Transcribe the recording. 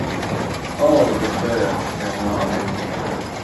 Oh ! docteur, murmura Raymond.